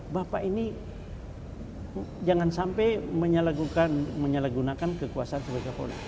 bapak ini jangan sampai menyalahgunakan kekuasaan sebagai kapolri